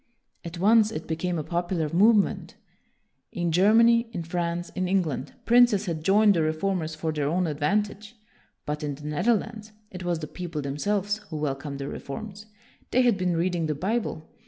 At once, it became a popular move ment. In Germany, in France, in Eng land, princes had joined the reformers for their own advantage; but in the Nether lands, it was the people themselves who welcomed the reforms. They had been reading the Bible.